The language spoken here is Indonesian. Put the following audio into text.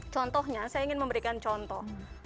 contohnya saya ingin memberikan contoh